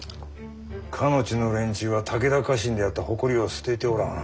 かの地の連中は武田家臣であった誇りを捨てておらん。